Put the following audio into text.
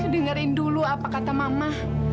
dengerin dulu apa kata mama